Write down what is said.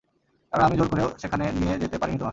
কারণ আমি জোর করেও সেখানে নিয়ে যেতে পারিনি তোমাকে।